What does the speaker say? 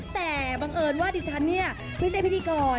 แต่บังเอิญว่าดิฉันเนี่ยไม่ใช่พิธีกร